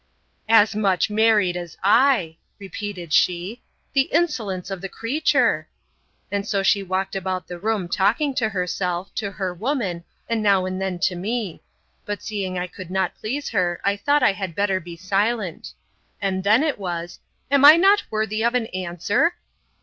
As much married as I! repeated she.—The insolence of the creature!—And so she walked about the room, talking to herself, to her woman, and now and then to me; but seeing I could not please her, I thought I had better be silent. And then it was, Am I not worthy an answer?